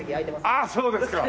ああそうですか。